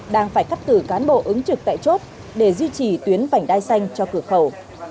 đang phải khắc tử cán bộ ứng trực tại chốt để duy trì tuyến vảnh đai xanh cho cửa khẩu